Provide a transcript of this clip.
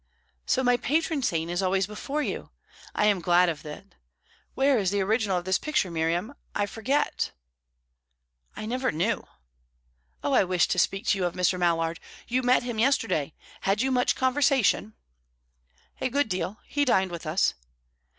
"So my patron saint is always before you. I am glad of that. Where is the original of this picture, Miriam? I forget." "I never knew." "Oh, I wished to speak to you of Mr. Mallard. You met him yesterday. Had you much conversation?" "A good deal. He dined with us."